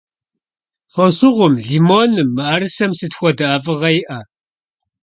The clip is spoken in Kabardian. Фошыгъум, лимоным, мыӀэрысэм сыт хуэдэ ӀэфӀыгъэ иӀэ?